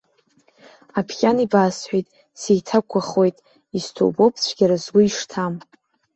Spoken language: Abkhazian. Аԥхьан ибасҳәеит, сеиҭақәыхуеит, исҭоубоуп цәгьара сгәы ишҭам.